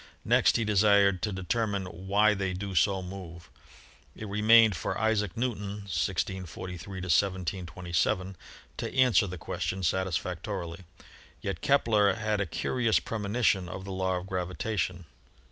Next he desired to determine why they do so move. It remained for Isaac Newton (1643 1727) to answer the question satisfactorily ; yet Kepler had a curious premonition of the law of gravitation.